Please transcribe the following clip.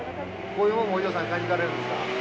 こういうもんもお嬢さん買いに行かれるんですか？